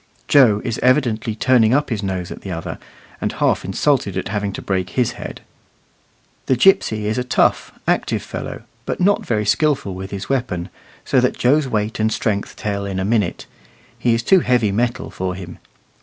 Joe is evidently turning up his nose at the other, and half insulted at having to break his head. The gipsy is a tough, active fellow, but not very skilful with his weapon, so that Joe's weight and strength tell in a minute; he is too heavy metal for him.